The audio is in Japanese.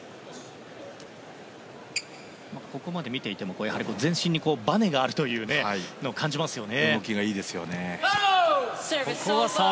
ここまで見ていても全身にばねがあるというのを感じますよね。